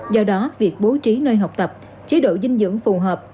do đó việc bố trí nơi học tập chế độ dinh dưỡng phù hợp